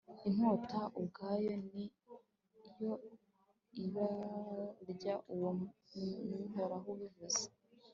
inkota ubwayo ni yo izabarya. uwo ni uhoraho ubivuze